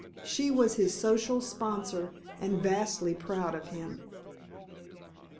She was his social sponsor and vastly proud of him.